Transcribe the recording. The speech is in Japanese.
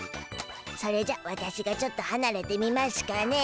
それじゃワタシがちょっとはなれてみましゅかね。